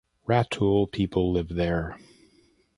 Rutul people live there.